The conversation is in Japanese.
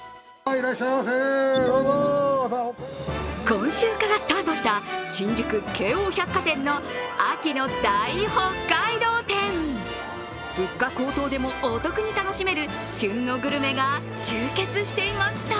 今週からスタートした新宿・京王百貨店の秋の大北海道展物価高騰でもお得に楽しめる旬のグルメが集結していました。